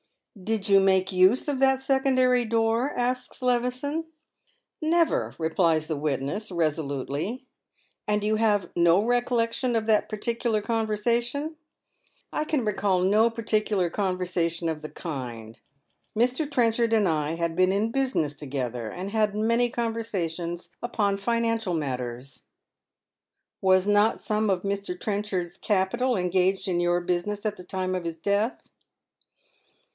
" Did you make use of that secondary door ?" asks Levison. "Never! " replies the witness, resolutely. "And you have no recollection of that particular conversation ?"" I can recall no particular conversation of the kind. Mr. Trenchard and I had been in business together, and had many conversations upon financial matters." " Was not some of Mr. Trenchard's capital engaged in your business at the time of his death